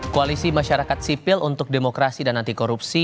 koalisi masyarakat sipil untuk demokrasi dan antikorupsi